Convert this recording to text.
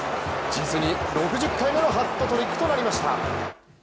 実に６０回目のハットトリックとなりました。